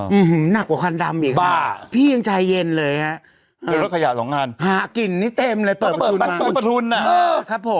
อื้อหือหนักกว่าควันดำอีกค่ะพี่ยังใจเย็นเลยฮะหากลิ่นนิเต็มเลยเปิดประทุนมา